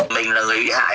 mình là người bị hại